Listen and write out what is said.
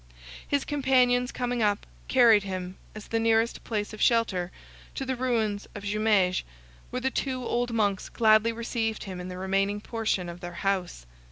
His companions coming up, carried him, as the nearest place of shelter, to the ruins of Jumieges, where the two old monks gladly received him in the remaining portion of their house.